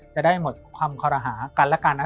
จะได้หมดความคอรหากันและกันนะ